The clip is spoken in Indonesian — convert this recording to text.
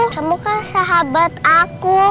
kamu kan sahabat aku